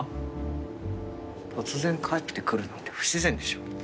突然帰ってくるなんて不自然でしょ。